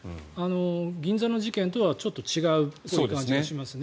銀座の事件とはちょっと違うという感じがしますね。